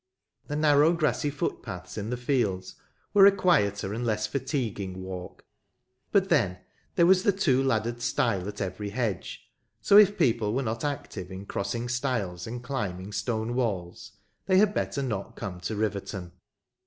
The narrow grassy footpaths in the fields were a quieter and less fatiguing walk ; but then there was the two laddered stile at every hedge ; so if people were not active in crossing stiles and climbing stone walls, they had better not come to Riverton.